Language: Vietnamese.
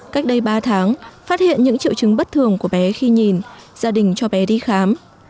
cách đây ba tháng phát hiện những triệu chứng bất thường của bé khi nhìn gia đình cho bé đi khám